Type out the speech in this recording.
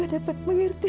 oka dapat mengerti